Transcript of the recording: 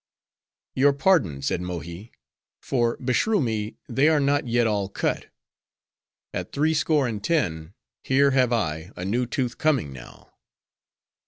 "Your pardon," said Mohi, "for beshrew me, they are not yet all cut. At threescore and ten, here have I a new tooth coming now."